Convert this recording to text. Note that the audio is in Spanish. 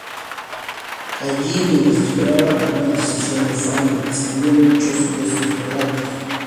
Allí, mientras esperaba a una decisión de Fanny, escribió muchos de sus relatos.